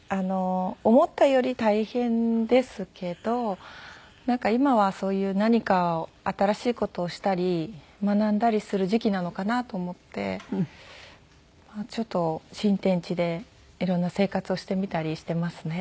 思ったより大変ですけどなんか今はそういう何か新しい事をしたり学んだりする時期なのかなと思ってちょっと新天地で色んな生活をしてみたりしていますね。